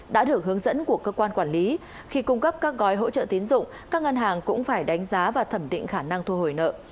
dụng các ngân hàng cũng phải đánh giá và thẩm định khả năng thu hồi nợ